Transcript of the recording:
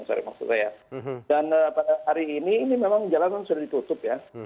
dan pada hari ini ini memang jalanan sudah ditutup ya